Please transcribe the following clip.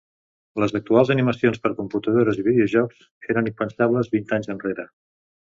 Les actuals animacions per computadores i videojocs eren impensables vint anys enrere.